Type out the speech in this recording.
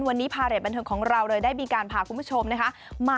วันนี้พาเรศบนทรมาชมได้มีการพาคุณผู้ชม